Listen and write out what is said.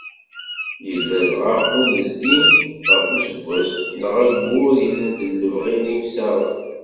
Yella dɣa unnezdi ɣef useggas neɣ ayyur, illend n lebɣi n yimsaɣen.